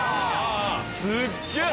すっげぇ！